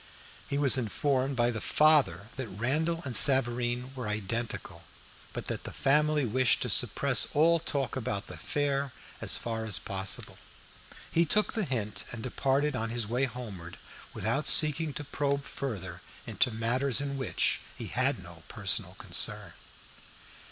He was informed by the father that Randall and Savareen were identical, but that the family wished to suppress all talk about the affair as far as possible. He took the hint, and departed on his way homeward, without seeking to probe further into matters in which he had no personal concern.